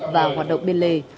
và hoạt động biên lề